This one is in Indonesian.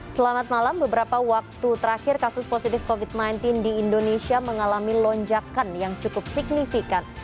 selamat malam beberapa waktu terakhir kasus positif covid sembilan belas di indonesia mengalami lonjakan yang cukup signifikan